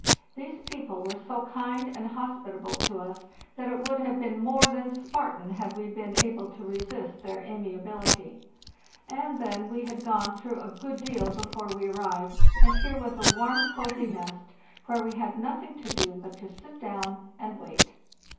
These people were so kind and hospitable to us that it would have been more than Spartan had we been able to resist their amiability. And then we had gone THE JOURNEY SOUTHWARD 567 BASALTIC CLIFFS through a good deal before we arrived, and here was a warm, cozy nest, where we had nothing to do but to sit down and wait.